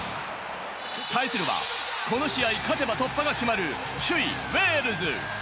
対するは、この試合、勝てば突破が決まる首位・ウェールズ。